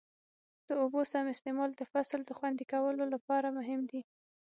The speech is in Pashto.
د اوبو سم استعمال د فصل د خوندي کولو لپاره مهم دی.